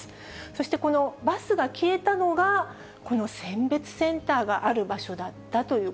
そしてこのバスが消えたのが、この選別センターがある場所だっ